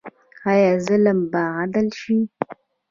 آیا ظلم به عدل شي؟